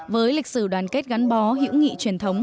với lịch sử đoàn kết gắn bó hữu nghị truyền thống